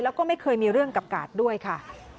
แล้วก็ไม่เคยมีเรื่องกับกาดด้วยค่ะ